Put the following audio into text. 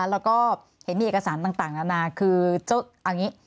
แล้วก็เห็นมีเอกสารต่าง